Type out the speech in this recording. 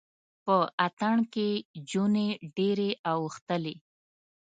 په اتڼ کې جونې ډیرې اوښتلې